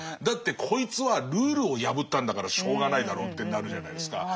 だってこいつはルールを破ったんだからしょうがないだろうってなるじゃないですか。